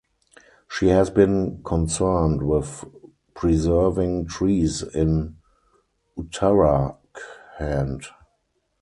She has been concerned with preserving trees in Uttarakhand.